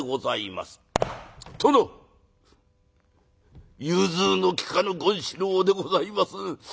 「殿融通の利かぬ権四郎でございます。